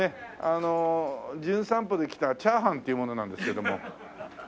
あの『じゅん散歩』で来たチャーハンっていう者なんですけども。